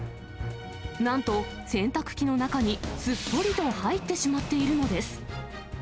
なんと、洗濯機の中にすっぽりと入ってしまっているのです。